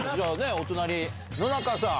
お隣野中さん。